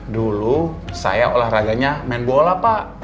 dulu saya olahraganya main bola pak